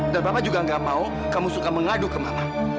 dan papa juga nggak mau kamu suka mengadu ke mama